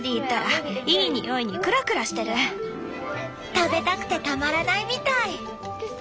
食べたくてたまらないみたい。